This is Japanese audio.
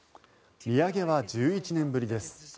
利上げは１１年ぶりです。